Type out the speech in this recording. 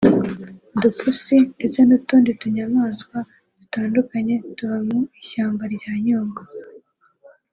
udupusi ndetse n’utundi tunyamanswa dutandukanye tuba mu ishyamba rya Nyungwe